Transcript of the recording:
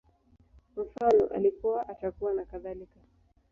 Mfano, Alikuwa, Atakuwa, nakadhalika